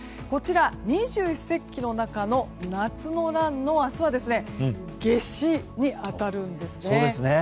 二十四節気の中の夏の欄の明日は夏至に当たるんですね。